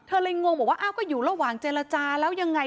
เธอเลยงงบอกว่าอ้าวก็อยู่ระหว่างเจรจาแล้วยังไง